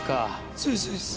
そうですそうです。